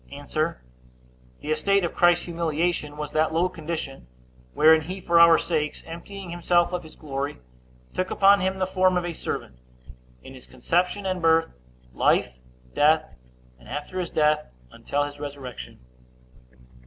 A. The estate of Christ's humiliation was that low condition, wherein he for our sakes, emptying himself of his glory, took upon him the form of a servant, in his conception and birth, life, death, and after his death, until his resurrection.